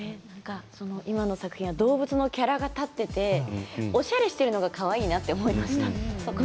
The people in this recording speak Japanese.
今の作品は動物のキャラが立っていておしゃれをしているのがかわいいなと思いました。